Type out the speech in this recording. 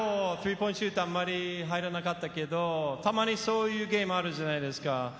今日スリーポイントシュート、あまり入らなかったけどたまにそういうゲームあるじゃないですか。